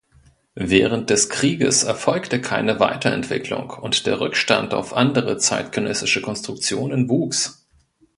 Während des Krieges erfolgte keine Weiterentwicklung und der Rückstand auf andere zeitgenössische Konstruktionen wuchs.